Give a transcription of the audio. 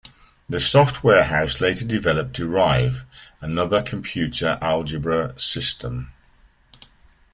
The Soft Warehouse later developed Derive, another computer algebra system.